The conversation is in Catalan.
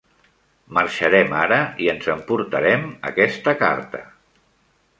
Marxarem ara i ens en portarem aquesta carta.